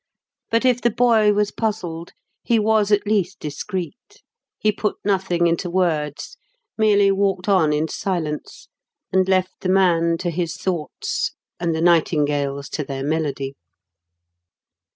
But if the boy was puzzled, he was, at least, discreet. He put nothing into words: merely walked on in silence, and left the man to his thoughts and the nightingales to their melody.